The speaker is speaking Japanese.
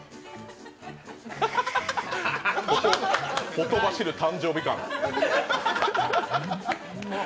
ほとばしる誕生日感。